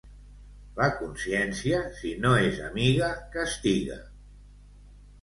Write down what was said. La consciència, si no és amiga, castiga.